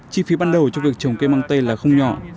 chi phí ban đầu cho việc trồng cây midar là không nhỏ